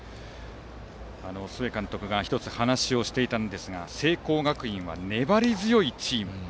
須江監督が１つ話をしていたんですが聖光学院は粘り強いチーム。